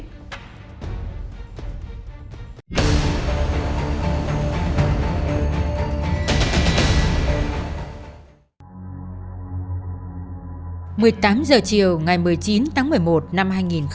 một mươi tám h chiều ngày một mươi chín tháng một mươi một năm hai nghìn chín